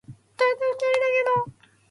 たった二人だけの